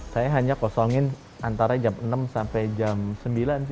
saya hanya kosongin antara jam enam sampai jam sembilan sih